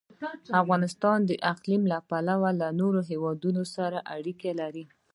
افغانستان د اقلیم له پلوه له نورو هېوادونو سره اړیکې لري.